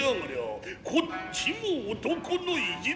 こっちも男の意地